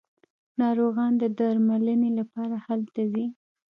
ناروغان د درملنې لپاره هلته ځي.